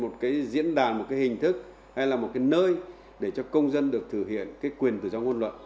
tính đàn một hình thức hay là một nơi để cho công dân được thử hiện quyền tự do ngôn luận